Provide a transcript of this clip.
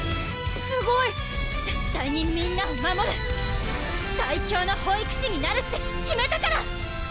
すごい！絶対にみんなを守る最強の保育士になるって決めたから！